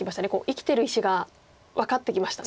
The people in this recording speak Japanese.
生きてる石が分かってきましたね。